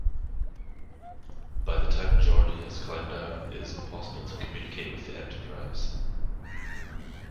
By the time Geordi has climbed out, it impossible to communicate with the "Enterprise".